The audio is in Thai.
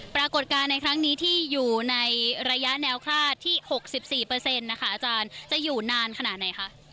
ปรากฏการณ์ในครั้งนี้ที่อยู่ในระยะแนวคลาดที่๖๔นะคะอาจารย์จะอยู่นานขนาดไหนคะ